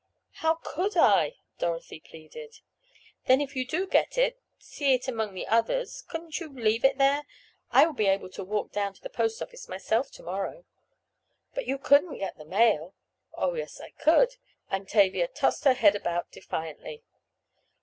"How could I?" Dorothy pleaded. "Then if you do get it—see it among the others—couldn't you leave it there? I will be able to walk down to the post office myself tomorrow." "But you couldn't get the mail." "Oh, yes I could," and Tavia tossed her head about defiantly.